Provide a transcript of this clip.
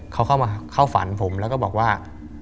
เขาเข้ามาเข้าฝันผมแล้วก็บอกว่า